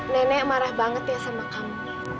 nenek marah banget ya sama kamu